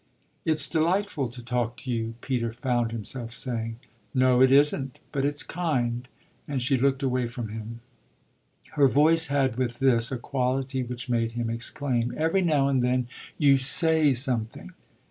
"It's delightful to talk to you," Peter found himself saying. "No, it isn't, but it's kind"; and she looked away from him. Her voice had with this a quality which made him exclaim: "Every now and then you 'say' something